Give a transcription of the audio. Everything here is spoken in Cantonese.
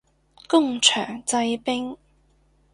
工場製冰